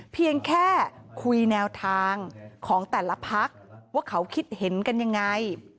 เพียงแค่คุยแนวทางของแต่ละพักว่าเขาคิดเห็นกันยังไง